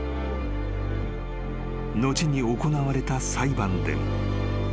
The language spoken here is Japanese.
［後に行われた裁判でも］